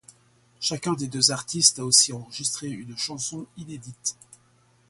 Chacun des deux artistes a aussi enregistré une chanson inédite.